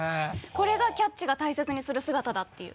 これが「キャッチ！」が大切にする姿だっていう。